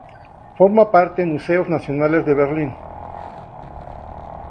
Forma parte Museos nacionales de Berlín.